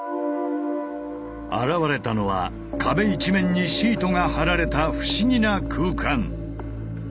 現れたのは壁一面にシートが貼られた不思議な空間。